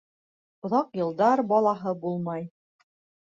Оҙаҡ йылдар балаһы булмай.